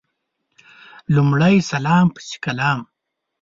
لمړی سلام پسي کلام